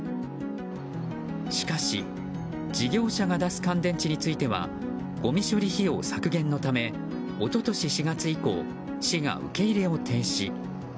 しかし事業者が出す乾電池についてはごみ処理費用削減のため一昨年４月以降市が受け入れを停止。